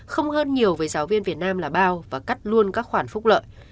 không hơn nhiều với giáo viên việt nam là bao và cắt luôn các khoản phúc lợi